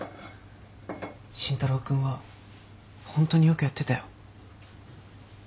慎太郎君はホントによくやってたよ。